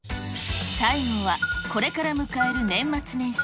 最後は、これから迎える年末年始。